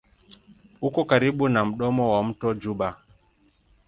Uko karibu na mdomo wa mto Juba.